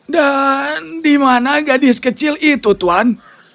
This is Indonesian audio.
dan di mana gadis kecil itu tuan